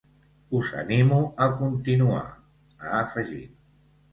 Us animo a continuar, ha afegit.